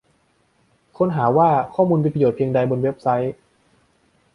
ค้นหาว่าข้อมูลมีประโยชน์เพียงใดบนเว็บไซต์